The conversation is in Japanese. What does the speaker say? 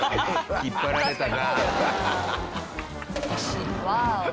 引っ張られたな。